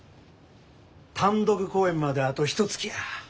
単独公演まであとひとつきや。